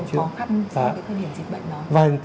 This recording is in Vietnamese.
trong cái thời điểm dịch bệnh đó